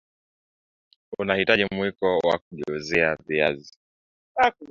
Utahitaji Mwiko wa kugeuzia viazi